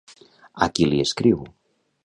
A qui li escriu?